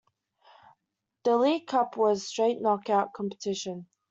The League Cup was a straight knock-out competition.